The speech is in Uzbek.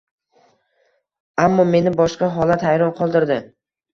Ammo meni boshqa holat hayron qoldirdi